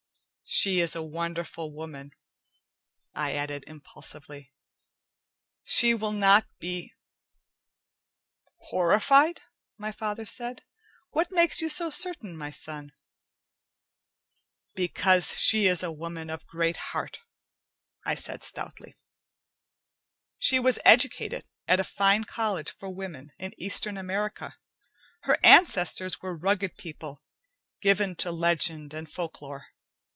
She is a wonderful woman," I added impulsively. "She will not be " "Horrified?" my father said. "What makes you so certain, my son?" "Because she is a woman of great heart," I said stoutly. "She was educated at a fine college for women in Eastern America. Her ancestors were rugged people, given to legend and folklore.